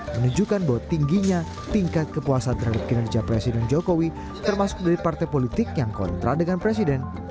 menunjukkan bahwa tingginya tingkat kepuasan terhadap kinerja presiden jokowi termasuk dari partai politik yang kontra dengan presiden